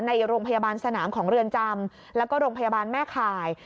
ในโรงพยาบาลสนามของเรือนจำแล้วก็โรงพยาบาลแม่ข่าย